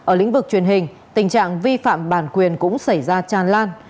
ở lĩnh vực truyền hình tình trạng vi phạm bản quyền cũng xảy ra tràn lan